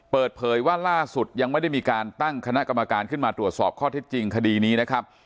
เปิดเผยว่าล่าสุดยังไม่ได้มีการตั้งคณะกรรมการขึ้นมาตรวจสอบข้อเท็จจริงคดีนี้นะครับ